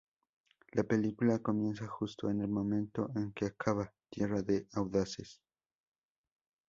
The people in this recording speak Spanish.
La película comienza justo en el momento en que acaba "Tierra de audaces".